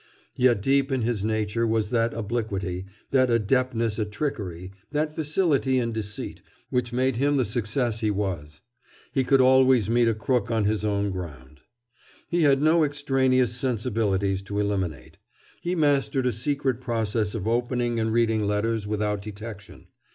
Yet deep in his nature was that obliquity, that adeptness at trickery, that facility in deceit, which made him the success he was. He could always meet a crook on his own ground. He had no extraneous sensibilities to eliminate. He mastered a secret process of opening and reading letters without detection.